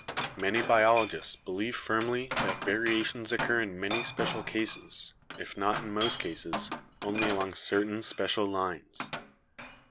Many biologists believe firmly that variations occur in many special cases, if not in most cases, only along certain special lines.